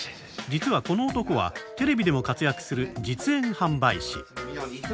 実はこの男はテレビでも活躍する実演販売士！